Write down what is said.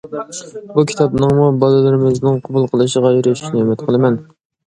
بۇ كىتابنىڭمۇ بالىلىرىمىزنىڭ قوبۇل قىلىشىغا ئېرىشىشىنى ئۈمىد قىلىمەن.